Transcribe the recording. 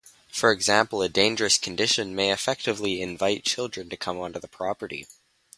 For example, a dangerous condition may effectively invite children to come onto the property.